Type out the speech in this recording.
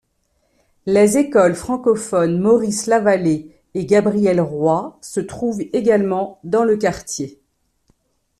Les écoles francophones Maurice-Lavallée et Gabrielle-Roy se trouvent également dans le quartier.